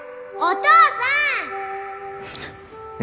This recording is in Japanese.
お父さん！